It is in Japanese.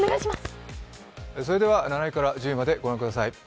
それでは７位から１０位までご覧ください。